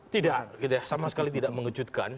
tidak sama sekali tidak mengejutkan